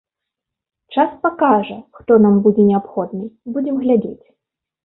Час пакажа, хто нам будзе неабходны, будзем глядзець.